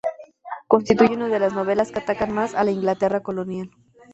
Constituye una de las novelas que atacan más a la Inglaterra colonial.